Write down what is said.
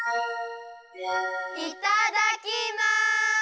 いただきます！